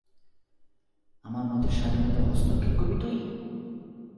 আমার মতের স্বাধীনতায় হস্তক্ষেপ করবি তুই?